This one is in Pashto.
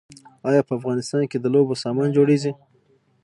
آیا په افغانستان کې د لوبو سامان جوړیږي؟